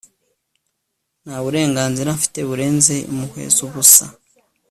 nta burenganzira mfite burenze impuhwe zubusa